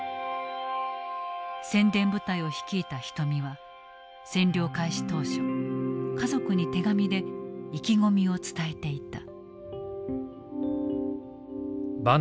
宣伝部隊を率いた人見は占領開始当初家族に手紙で意気込みを伝えていた。